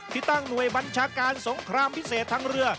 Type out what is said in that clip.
ที่ตั้งหน่วยบัญชาการสงครามพิเศษทางเรือ